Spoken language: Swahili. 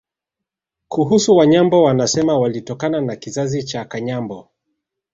Kuhusu Wanyambo wanasema walitokana na kizazi cha Kanyambo